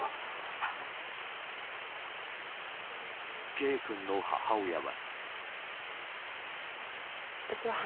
Ｋ君の母親は。